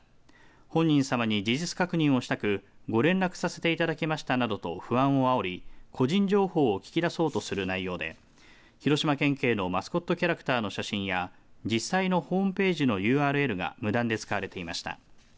本人様に事実確認をしたくご連絡させていただきましたなどと不安をあおり個人情報を聞き出そうとする内容で広島県警のマスコットキャラクターの写真や実際のホームページのＵＲＬが無断で使われていました。